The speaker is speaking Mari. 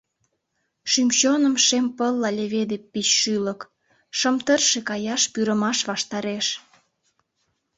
Шӱм-чоным шем пылла леведе пич шӱлык, Шым тырше каяш пӱрымаш ваштареш.